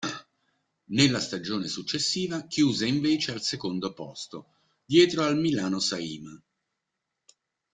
Nella stagione successiva chiuse invece al secondo posto, dietro al Milano Saima.